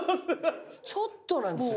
ちょっとなんですね！